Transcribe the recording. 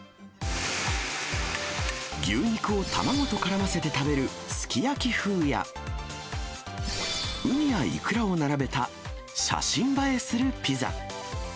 牛肉を卵とからませて食べるすき焼き風や、ウニやイクラを並べた写真映えするピザ。